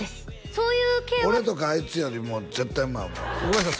そういう系は俺とかあいつよりも絶対うまい思うわごめんなさい